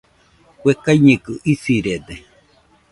Kue kaiñɨkɨ isirede